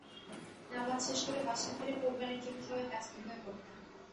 নামাজ শেষ করে বাসায় ফিরে কোরবানির জন্য সবাই ব্যস্ত হয়ে পড়তেন।